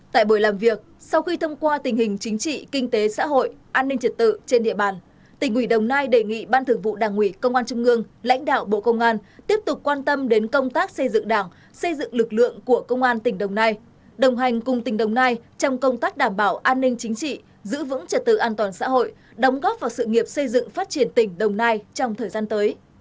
tại buổi làm việc sau khi thông qua tình hình chính trị kinh tế xã hội an ninh trật tự trên địa bàn tỉnh ủy đồng nai đề nghị ban thường vụ đảng ủy công an trung ương lãnh đạo bộ công an tiếp tục quan tâm đến công tác xây dựng đảng xây dựng lực lượng của công an tỉnh đồng nai đồng hành cùng tỉnh đồng nai trong công tác đảm bảo an ninh chính trị giữ vững trật tự an toàn xã hội đóng góp vào sự nghiệp xây dựng phát triển tỉnh đồng nai trong thời gian tới